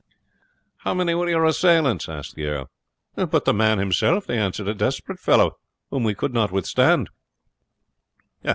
"How many were your assailants?" asked the earl. "But the man himself," they answered; "a desperate fellow whom we could not withstand."